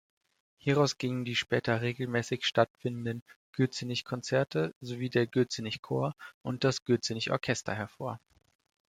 Hieraus gingen die später regelmäßig stattfindenden Gürzenich-Konzerte sowie der Gürzenich-Chor und das Gürzenich-Orchester hervor.